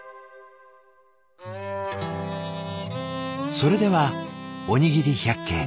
それではおにぎり百景。